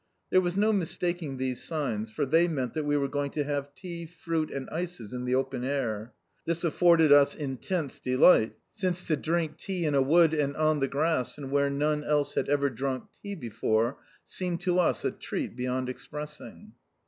There was no mistaking these signs, for they meant that we were going to have tea, fruit, and ices in the open air. This afforded us intense delight, since to drink tea in a wood and on the grass and where none else had ever drunk tea before seemed to us a treat beyond expressing.